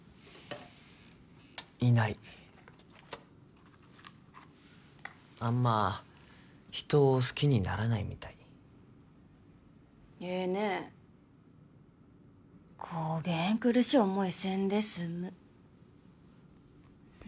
いないあんま人を好きにならないみたいええねこげん苦しい思いせんで済む